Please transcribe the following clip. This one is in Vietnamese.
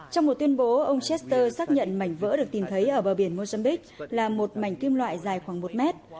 trong một tuyên bố ông jester xác nhận mảnh vỡ được tìm thấy ở bờ biển mozambique là một mảnh kim loại dài khoảng một mét